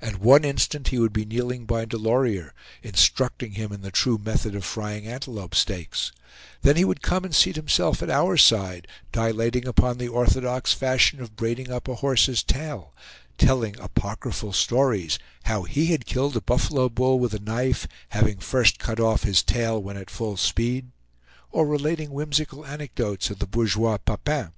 At one instant he would be kneeling by Delorier, instructing him in the true method of frying antelope steaks, then he would come and seat himself at our side, dilating upon the orthodox fashion of braiding up a horse's tail, telling apocryphal stories how he had killed a buffalo bull with a knife, having first cut off his tail when at full speed, or relating whimsical anecdotes of the bourgeois Papin.